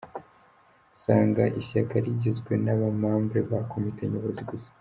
Usanga ishyaka rigizwe na ba membres ba comité nyobozi gusa.